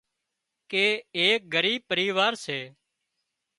ڪي ايڪ ڳريٻ پريوار سي